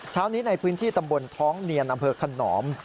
เช้านี้ในพื้นที่ตำบลท้องเนียนอำเภอขนอม